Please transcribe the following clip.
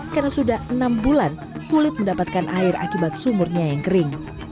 karena sudah enam bulan sulit mendapatkan air akibat sumurnya yang kering